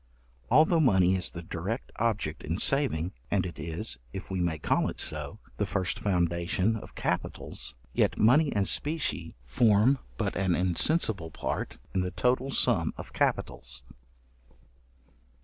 Although money is the direct object in saving, and it is, if we may call it so, the first foundation of capitals, yet money and specie form but an insensible part in the total sum of capitals.